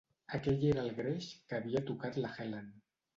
Aquell era el greix que havia tocat la Helen.